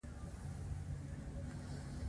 هغه د ګل په شان ښایسته څېره لري.